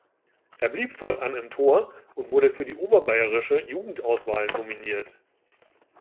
Er blieb fortan im Tor und wurde für die oberbayerische Jugendauswahl nominiert.